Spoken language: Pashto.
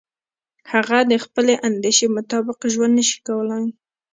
هغه د خپلې اندیشې مطابق ژوند نشي کولای.